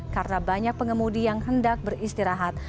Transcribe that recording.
karena banyak pengemudi yang hendak beristirahat